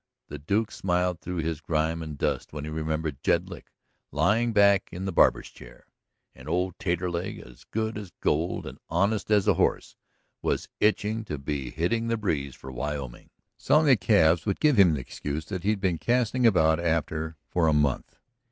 The Duke smiled through his grime and dust when he remembered Jedlick lying back in the barber's chair. And old Taterleg, as good as gold and honest as a horse, was itching to be hitting the breeze for Wyoming. Selling the calves would give him the excuse that he had been casting about after for a month.